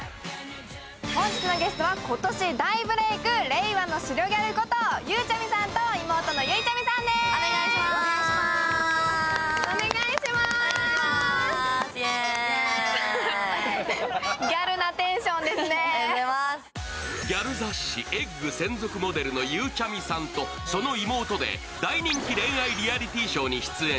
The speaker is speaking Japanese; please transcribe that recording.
本日のゲストは、今年大ブレーク令和の白ギャルことゆうちゃみさんと妹のゆいちゃみさんです。